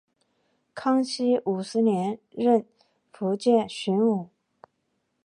康熙五十年任福建巡抚。